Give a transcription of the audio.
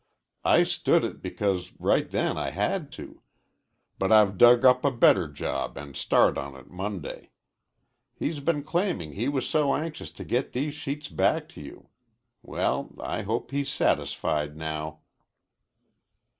I stood it, because right then I had to. But I've dug up a better job and start in on it Monday. He's been claiming he was so anxious to get these sheets back to you. Well, I hope he's satisfied now."